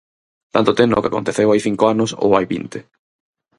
Tanto ten o que aconteceu hai cinco anos ou hai vinte.